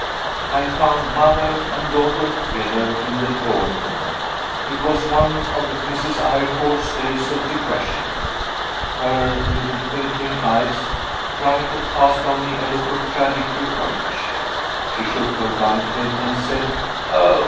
I found mother and daughter together in the drawing room. It was one of Mrs. Eyrecourt's days of depression. Her little twinkling eyes tried to cast on me a look of tragic reproach; she shook her dyed head and said, "Oh.